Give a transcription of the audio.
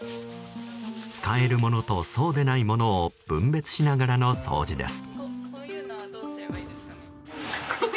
使えるものとそうでないものを分別しながらの掃除です。